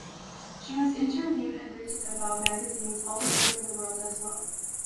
She was interviewed and written about in magazines all over the world as well.